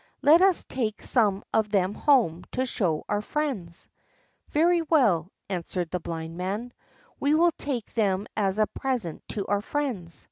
Let us take some of them home to show our friends." "Very well," answered the Blind Man; "we will take them as a present to our friends."